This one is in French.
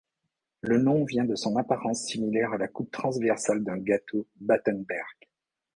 Le nom vient de son apparence similaire à la coupe transversale d'un gâteau Battenberg.